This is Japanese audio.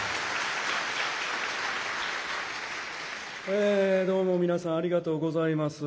えどうも皆さんありがとうございます。